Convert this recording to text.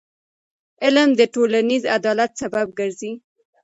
علم د ټولنیز عدالت سبب ګرځي.